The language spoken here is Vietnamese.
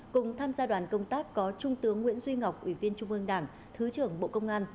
cùng tham gia đoàn công tác có trung tướng nguyễn duy ngọc ủy viên trung ương đảng thứ trưởng bộ công an